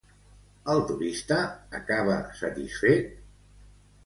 El turista acaba satisfet?